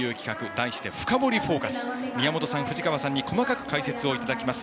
題して「深掘りＦＯＣＵＳ」。宮本さん、藤川さんに細かく解説いただきます。